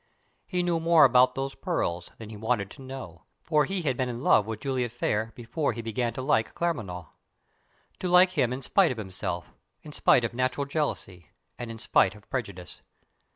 He knew more about those pearls than he wanted to know, for he had been in love with Juliet Phayre before he began to like Claremanagh to like him in spite of himself, in spite of natural jealousy, and in spite of prejudice.